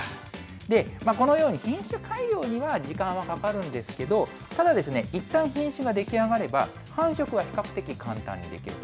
このように品種改良には時間がかかるんですけれども、ただ、いったん品種が出来上がれば、繁殖は比較的簡単にできると。